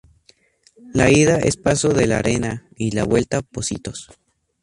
La ida es Paso de la Arena y la vuelta Pocitos.